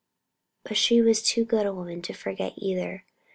But she was too good a woman to forget either.